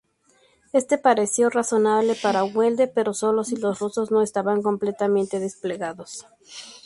Esto pareció razonable para Wedel, pero solo si los rusos no estaban completamente desplegados.